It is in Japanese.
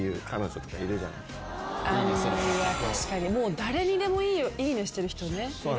確かに誰にでも「いいね！」してる人ね。